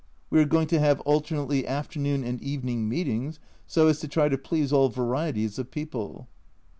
We are going to have alternately afternoon and evening meetings, so as to try to please all varieties of people.